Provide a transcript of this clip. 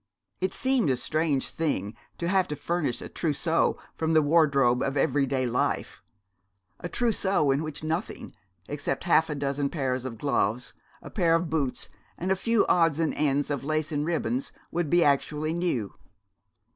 It seemed a strange thing to have to furnish a trousseau from the wardrobe of everyday life a trousseau in which nothing, except half a dozen pairs of gloves, a pair of boots, and a few odds and ends of lace and ribbons would be actually new.